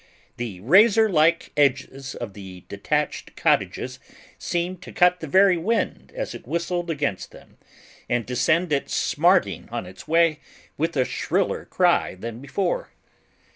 The razor like edges of the detached cottages seemed to cut the very wind as it whistled against them, and to send it smarting on its way with a shriller cry than before.